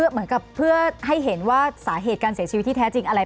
เหมือนกับเพื่อให้เห็นว่าสาเหตุการเสียชีวิตที่แท้จริงอะไร